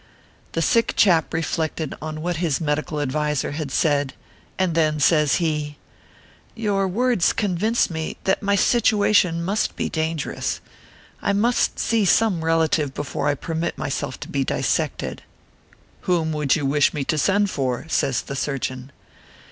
The sick chap reflected on what his medical adviser had said, and then says he :" Your words convince me that my situation must be dangerous. I must see some relative before I per mit myself to be dissected." " Whom would you wish me to send for ?" says the surgeon.